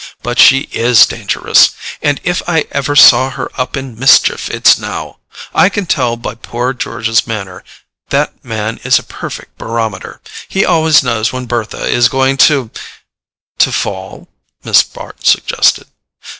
But she IS dangerous—and if I ever saw her up to mischief it's now. I can tell by poor George's manner. That man is a perfect barometer—he always knows when Bertha is going to——" "To fall?" Miss Bart suggested.